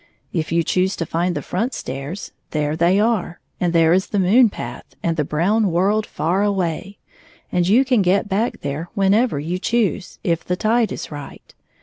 If you choose to find the front stairs, there they are, and there is the moon path and the brown world far away, and you can get back there when ever you choose, if the tide is right.